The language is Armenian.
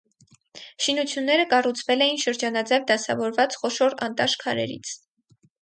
Շինությունները կառուցվել էին շրջանաձև դասավորված խոշոր անտաշ քարերից։